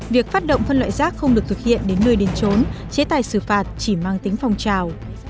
việc phát động phân loại rác không được thực hiện đến nơi đến trốn chế tài xử phạt chỉ mang tính phong trào